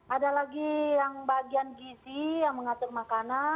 ada lagi yang bagian gizi yang mengatur makanan